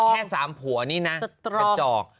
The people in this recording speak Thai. แค่๓ผัวนี่นะกระจอก